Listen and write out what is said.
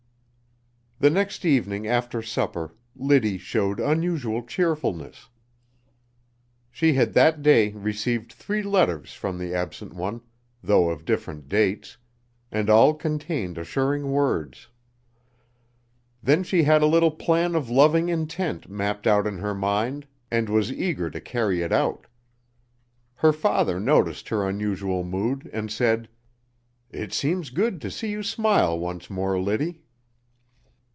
The next evening after supper Liddy showed unusual cheerfulness. She had that day received three letters from the absent one, though of different dates, and all contained assuring words. Then she had a little plan of loving intent mapped out in her mind and was eager to carry it out. Her father noticed her unusual mood and said: "It seems good to see you smile once more, Liddy."